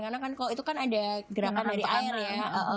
karena kan kalau itu kan ada gerakan dari air ya